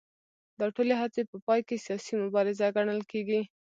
دا ټولې هڅې په پای کې سیاسي مبارزه ګڼل کېږي